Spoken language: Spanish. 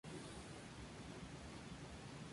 Pablo Sarasate.